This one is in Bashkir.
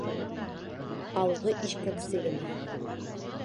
Алғы ишкәксе генә: